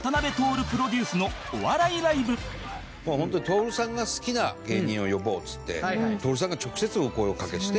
もうホントに徹さんが好きな芸人を呼ぼうっていって徹さんが直接お声をおかけして。